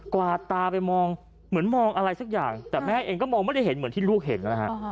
วาดตาไปมองเหมือนมองอะไรสักอย่างแต่แม่เองก็มองไม่ได้เห็นเหมือนที่ลูกเห็นนะฮะ